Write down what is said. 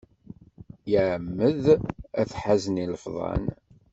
Iɛemmed ad teḥazen ilefḍan.